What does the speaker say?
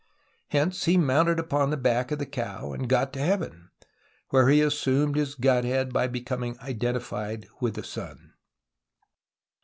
Hence he mounted upon the back of the cow and got to heaven, where he assumed his godhead by becoming identified with the sun.